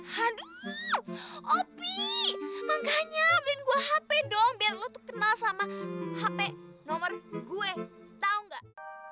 hanum opi makanya beliin gue hp dong biar lo tuh kenal sama hp nomor gue tau gak